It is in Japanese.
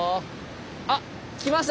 あ！来ました。